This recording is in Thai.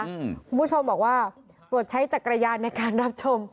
คุณผู้ชมบอกว่าโปรดใช้จักรยานในการรับชม